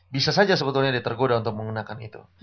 bisa saja sebetulnya dia tergoda untuk menggunakan itu